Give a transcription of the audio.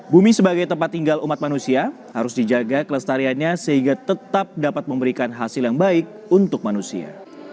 bumi sebagai tempat tinggal umat manusia harus dijaga kelestariannya sehingga tetap dapat memberikan hasil yang baik untuk manusia